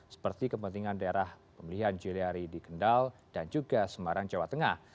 seperti kepentingan daerah pemilihan juliari di kendal dan juga semarang jawa tengah